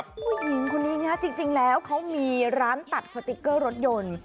ผู้หญิงคนนี้นะจริงแล้วเขามีร้านตัดสติ๊กเกอร์รถยนต์